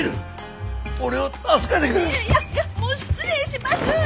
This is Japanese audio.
もう失礼します！